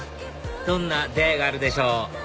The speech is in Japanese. どんな出会いがあるでしょう